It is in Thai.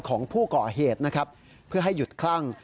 ของผู้ก่อเหตุนะครับเพื่อให้หยุดคลั่ง